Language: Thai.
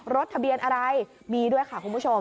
รถทะเบียนอะไรมีด้วยค่ะคุณผู้ชม